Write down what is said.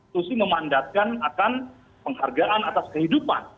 susi memandatkan akan penghargaan atas kehidupan